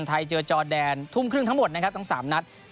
ไทยเจอจอแดนทุ่มครึ่งทั้งหมด